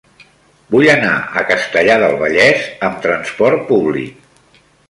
Vull anar a Castellar del Vallès amb trasport públic.